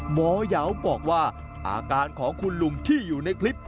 หมอยาวบอกว่าอาการของคุณลุงที่อยู่ในคลิป